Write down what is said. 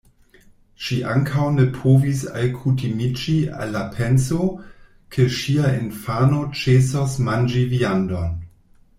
Ŝi ankaŭ ne povis alkutimiĝi al la penso, ke ŝia infano ĉesos manĝi viandon.